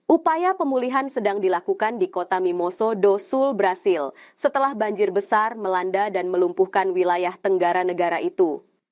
upaya pemulihan sedang dilakukan di kota mimoso dosul brazil setelah banjir besar melanda dan melumpuhkan wilayah tenggara negara negara itu